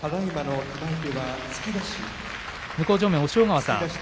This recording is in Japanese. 向正面、押尾川さん